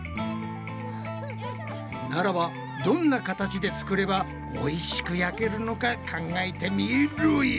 ならばどんな形で作ればおいしく焼けるのか考えてみろや！